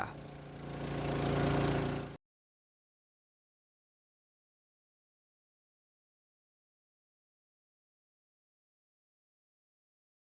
kondisi air keruh yang diduga disebabkan banyaknya limbah pakan ikan dan banyaknya eceng gondok